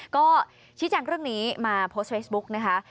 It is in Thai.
ก็ชี้แจงเรื่องนี้มาโพสต์เฟซบุ๊กนะคะ